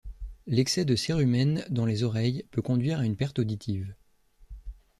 L'excès de cérumen dans les oreilles peut conduire à une perte auditive.